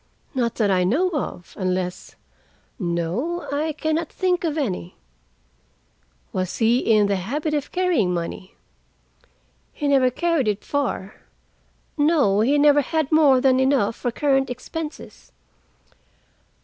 "Not that I know of, unless—no, I can not think of any." "Was he in the habit of carrying money?" "He never carried it far. No, he never had more than enough for current expenses."